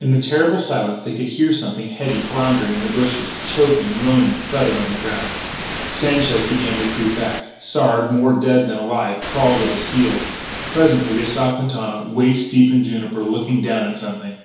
In the terrible silence they could hear something heavy floundering in the bushes, choking, moaning, thudding on the ground. Sanchez began to creep back; Sard, more dead than alive, crawled at his heels. Presently they saw Quintana, waist deep in juniper, looking down at something.